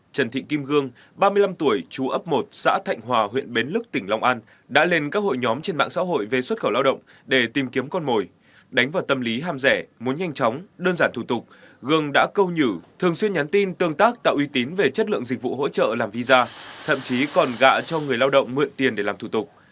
trần thị kim gương ba mươi năm tuổi chú ấp một xã thạnh hòa huyện bến lức tỉnh long an đã lên các hội nhóm trên mạng xã hội về xuất khẩu lao động để tìm kiếm con mồi đánh vào tâm lý ham rẻ muốn nhanh chóng đơn giản thủ tục gương đã câu nhử thường xuyên nhắn tin tương tác tạo uy tín về chất lượng dịch vụ hỗ trợ làm visa thậm chí còn gạ cho người lao động mượn tiền để làm thủ tục